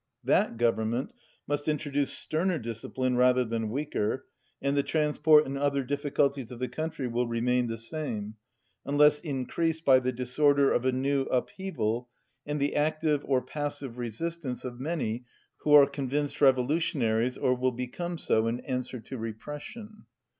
That government must introduce sterner discipline rather than weaker, and the transport and other difficulties of the country will remain the same, unless increased by the disorder of a new up heaval and the active or passive resistance of many 194 who are convinced revolutionaries or will become so in answer to repression.